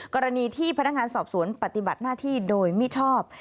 กรณีที่พนักงานสอบสวนปฏิบัติหน้าที่โดยมิชอบ